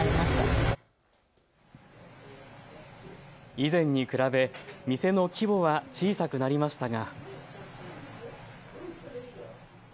以前に比べ店の規模は小さくなりましたが。